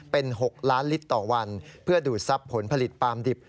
เป็น๖ล้านลิตรต่อวันเพื่อดูดทรัพย์ผลผลิตปาล์มดิบ